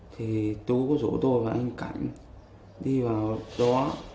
thì tú có rủ tôi và anh cảnh đi vào đó